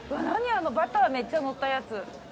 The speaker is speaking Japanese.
あのバターめっちゃのったやつ。